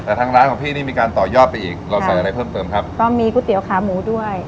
แต่ทางร้านของพี่นี่มีการต่อยอดไปอีกเราใส่อะไรเพิ่มเติมครับก็มีก๋วยเตี๋ยวขาหมูด้วย